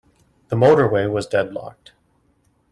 The motorway was deadlocked.